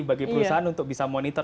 bagi perusahaan untuk bisa monitor